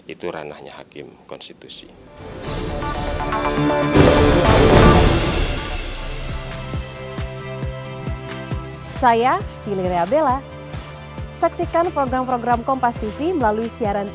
itu ranahnya hakim konstitusi